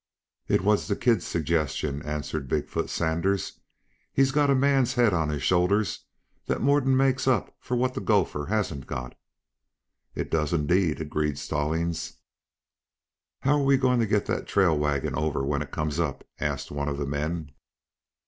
"It was the kid's suggestion," answered Big foot Sanders. "He's got a man's head on his shoulders that more'n makes up for what the gopher hasn't got." "It does, indeed," agreed Stallings. "How are we going to get that trail wagon over when it comes up!" asked one of the men.